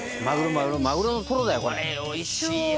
「これおいしいよ」